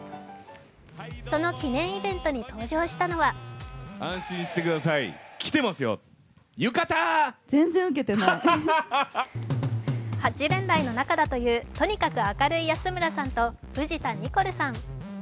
その記念イベントに登場したのは８年来の仲だという、とにかく明るい安村さんと藤田ニコルさん。